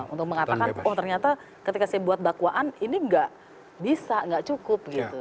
untuk mengatakan oh ternyata ketika saya buat dakwaan ini nggak bisa nggak cukup gitu